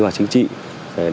để đoàn viên thanh niên